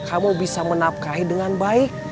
kamu bisa menafkahi dengan baik